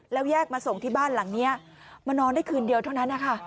แล้วแยกมาส่งที่บ้านหลังนี้มานอนได้คืนเดียวเท่านั้นนะคะ